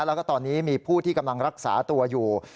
แล้วก็ตอนนี้มีผู้ที่กำลังรักษาตัวอยู่